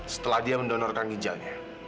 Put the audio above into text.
setelah dia mendonorkan ginjalnya